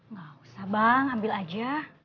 gak usah bang ambil aja